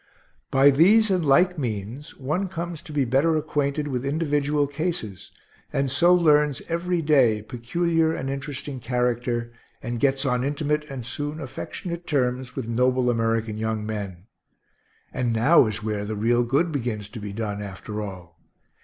By these and like means one comes to be better acquainted with individual cases, and so learns every day peculiar and interesting character, and gets on intimate and soon affectionate terms with noble American young men; and now is where the real good begins to be done, after all.